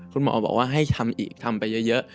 คุณหมอบอกว่าให้ทำอีกทำไปเยอะ